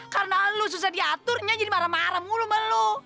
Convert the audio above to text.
karena lo susah diatur nya jadi marah marah mulu ma lo